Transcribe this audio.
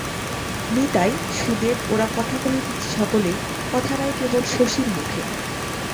নিতাই, সুদেব ওরা কথা কহিতেছে সকলেই, কথা নাই কেবল শশীর মুখে।